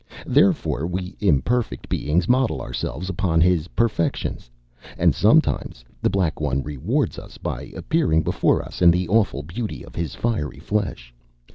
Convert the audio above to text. Therefore we imperfect beings model ourselves upon his perfections. And sometimes, The Black One rewards us by appearing before us in the awful beauty of his fiery flesh.